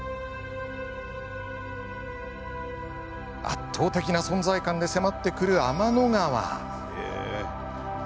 圧倒的な存在感で迫ってくる天の川。